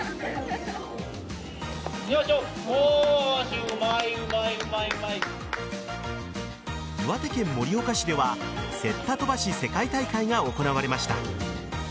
新潟県盛岡市では雪駄飛ばし世界大会が行われました。